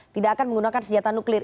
tidak akan menggunakan senjata nuklir